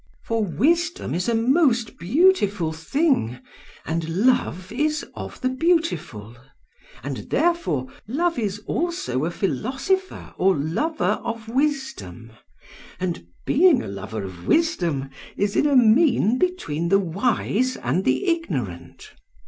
For wisdom is a most beautiful thing, and Love is of the beautiful; and therefore Love is also a philosopher or lover of wisdom, and being a lover of wisdom is in a mean between the wise and the ignorant.